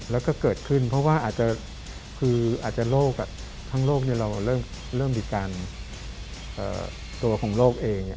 แล้วก็เกิดขึ้นเพราะว่าอาจจะคืออาจจะโรคทั้งโลกเราเริ่มมีการตัวของโลกเอง